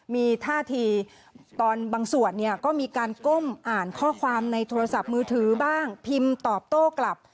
มีท่าทีตอนบางส่วนเนี่ยก็มีการก้มอ่านข้อความในโทรศัพท์มือถือบ้างพิมพ์ตอบโต้กลับ